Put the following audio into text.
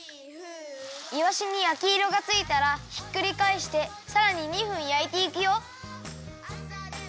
いわしに焼きいろがついたらひっくりかえしてさらに２分焼いていくよ。